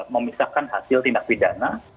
memisahkan hasil tindak pidana